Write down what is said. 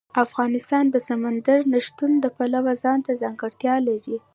افغانستان د سمندر نه شتون د پلوه ځانته ځانګړتیا لري.